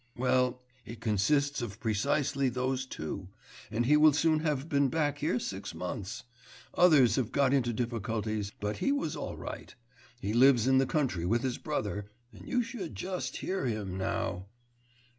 'Well, it consists of precisely those two. And he will soon have been back here six months. Others have got into difficulties, but he was all right. He lives in the country with his brother, and you should just hear him now....